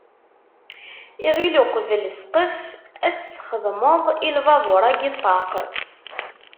Iɣil uqbel ssqef, ad s-txedmeḍ i lbabur-agi ṭṭaq.